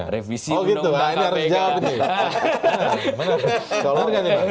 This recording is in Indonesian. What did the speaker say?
revisi undang undang kpk